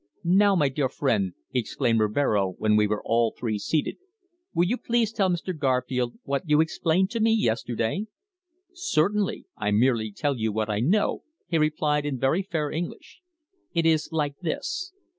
"Now, my dear friend," exclaimed Rivero, when we were all three seated. "Will you please tell Mr. Garfield what you explained to me yesterday." "Certainly. I merely tell you what I know," he replied in very fair English. "It is like this.